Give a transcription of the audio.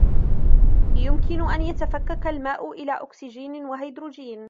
يمكن أن يتفكك الماء إلى أكسجين وهيدروجين.